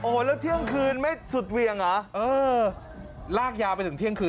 โอ้แล้วเที่ยงคืนไม่สุดเหวียง